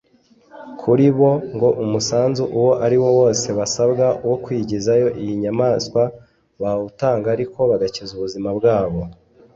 Kuri bo ngo umusanzu uwari ariwo wose basabwa wo kwigizayo izi nyamanswa bawutanga ariko bagakiza ubuzima bwabo